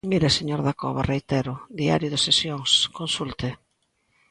Mire, señor Dacova, reitero, Diario de Sesións, consulte.